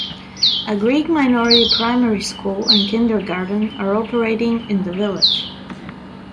A Greek minority primary school and kindergarten are operating in the village.